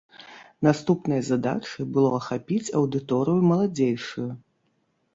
Наступнай задачай было ахапіць аўдыторыю маладзейшую.